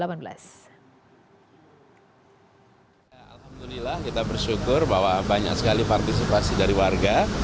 alhamdulillah kita bersyukur bahwa banyak sekali partisipasi dari warga